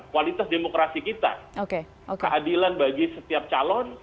kualitas demokrasi kita keadilan bagi setiap calon